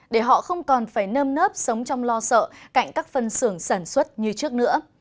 để họ không còn phải nơm nớp sống trong lo sợ cạnh các phân xưởng sản xuất như trước nữa